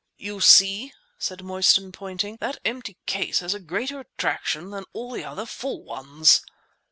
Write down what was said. "You see," said Mostyn, pointing, "that empty case has a greater attraction than all the other full ones!"